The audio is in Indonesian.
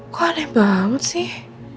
kok aneh banget sih